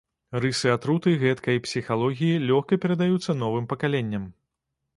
Рысы атруты гэткай псіхалогіі лёгка перадаюцца новым пакаленням.